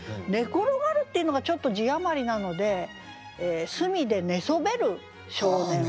「寝転がる」っていうのがちょっと字余りなので「隅で寝そべる少年を」。